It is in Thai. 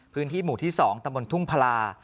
พื้นที่หมู่ที่๒ตะบนทุ่งพลา